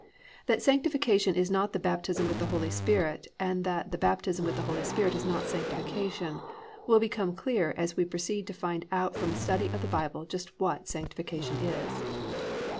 That Sanctification is not the baptism with the Holy Spirit and that the baptism with the Holy Spirit is not Sanctification, will become clear as we proceed and find out from a study of the Bible just what Sanctification is.